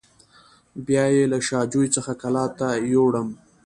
بیا یې له شا جوی څخه کلات ته یووړم.